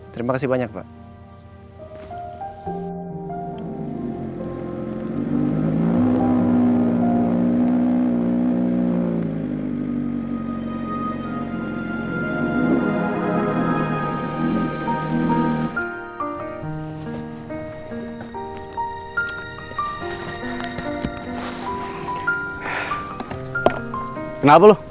terima kasih banyak pak